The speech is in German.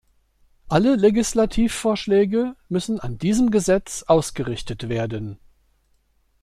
Alle Legislativvorschläge müssen an diesem Gesetz ausgerichtet werden.